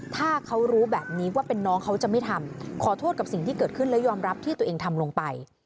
ถ้าเขารู้แบบนี้ว่าเป็นน้องเขาจะไม่ทำขอโทษกับสิ่งที่เกิดขึ้นและยอมรับที่ตัวเองทำลงไป